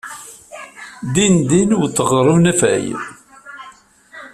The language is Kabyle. Dindin wwḍeɣ ɣer unafag.